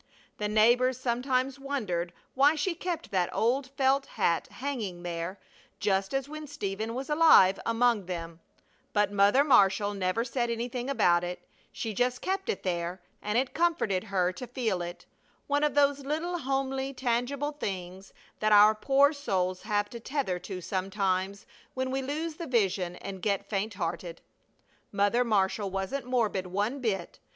The neighbors sometimes wondered why she kept that old felt hat hanging there, just as when Stephen was alive among them, but Mother Marshall never said anything about it; she just kept it there, and it comforted her to feel it; one of those little homely, tangible things that our poor souls have to tether to sometimes when we lose the vision and get faint hearted. Mother Marshall wasn't morbid one bit.